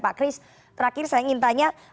pak kris terakhir saya ingin tanya